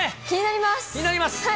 気になります。